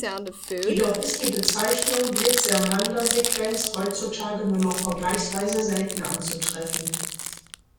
Jedoch ist die Bezeichnung Blytt-Sernander-Sequenz heutzutage nur noch vergleichsweise selten anzutreffen.